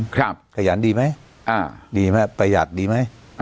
ขยันดีไหมอ่าดีไหมประหยัดดีไหม